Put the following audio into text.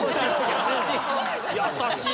優しい！